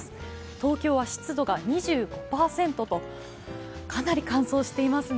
東京は湿度が２５％とかなり乾燥していますね。